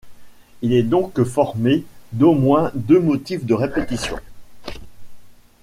Il est donc formé d'au moins deux motifs de répétition.